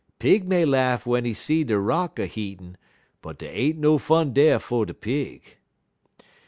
Pig may laugh w'en he see de rock a heatin', but dey ain't no fun dar fer de pig.